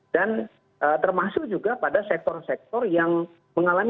dan termasuk juga pada sektor sektor yang mengalami